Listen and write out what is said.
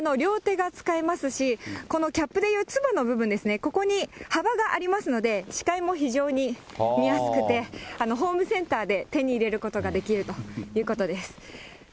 両手が使えますし、このキャップでいうつばの部分ですね、ここに幅がありますので、視界も非常に見やすくて、ホームセンターで手に入れることができるということです。